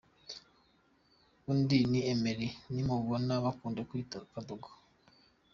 Undi ni Emery Nimubona bakunda kwita Kadogo.